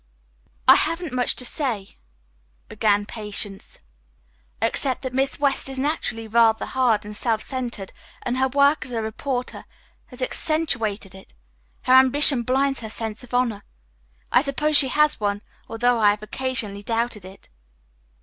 "I haven't much to say," began Patience, "except that Miss West is naturally rather hard and self centered and her work as a reporter has accentuated it. Her ambition blinds her sense of honor. I suppose she has one, although I have occasionally doubted it."